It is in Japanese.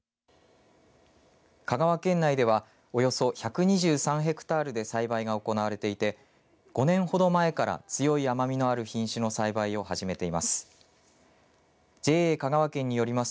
香川県内ではおよそ１２３ヘクタールで栽培が行われていて５年ほど前から強い甘みのある品種の栽培を始めています。